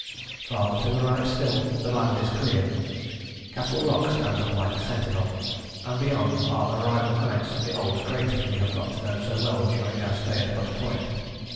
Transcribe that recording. Farther to the right still, the land is clear: Castle Rock stands up like a sentinel, and beyond are Arrival Heights and the old craters we have got to know so well during our stay at Hut Point.